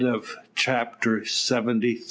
CHAPTER SEVENTY FOUR.